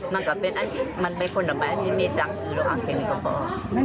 มันก็เป็นอันมันเป็นคนละแบบที่มีจังคือลงอังกฤษก่อน